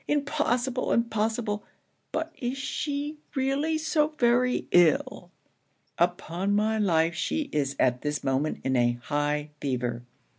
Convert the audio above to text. Impossible! impossible! but is she really so very ill?' 'Upon my life she is at this moment in a high fever.